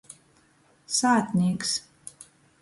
Sātnīks.